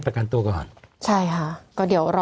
ผู้ต้องหาที่ขับขี่รถจากอายานยนต์บิ๊กไบท์